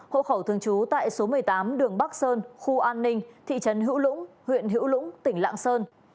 hộ khẩu thường trú tại số một mươi tám đường bắc sơn khu an ninh thị trấn hữu lũng huyện hữu lũng tỉnh lạng sơn